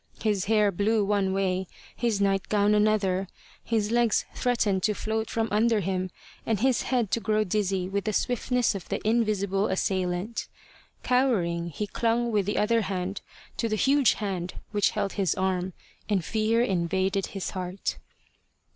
His hair blew one way, his night gown another, his legs threatened to float from under him, and his head to grow dizzy with the swiftness of the invisible assailant. Cowering, he clung with the other hand to the huge hand which held his arm, and fear invaded his heart.